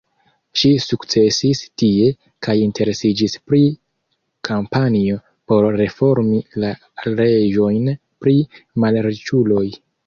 Ŝi sukcesis tie, kaj interesiĝis pri kampanjo por reformi la leĝojn pri malriĉuloj.